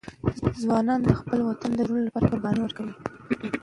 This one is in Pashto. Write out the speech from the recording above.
ځوانان د خپل وطن د ژغورنې لپاره قرباني ورکوي.